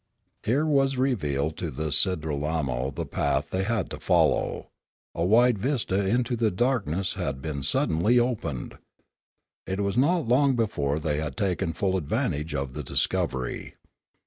Here was revealed to the Sidralmo the path they had to follow; a wide vista into the darkness had been sud denly opened. It was not long before they had taken full advantage of the discovery.